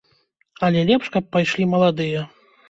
Але лепш, каб пайшлі маладыя.